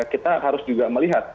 kita harus juga melihat